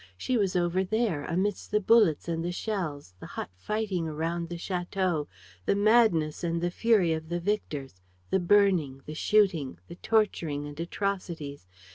She was over there, amidst the bullets and the shells, the hot fighting around the château, the madness and the fury of the victors, the burning, the shooting, the torturing and atrocities!